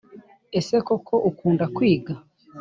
ese koko ukunda kwiga